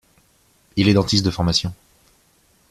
Il est dentiste de formation.